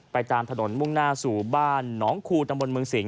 ตามถนนมุ่งหน้าสู่บ้านหนองคูตำบลเมืองสิงห